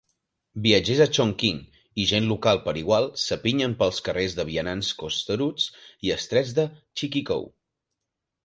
Viatgers a Chongqing i gent local per igual s'apinyen pels carrers de vianants costeruts i estrets de Ciqikou.